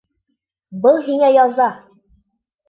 Был һиңә яза!